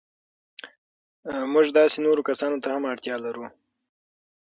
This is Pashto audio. موږ داسې نورو کسانو ته هم اړتیا لرو.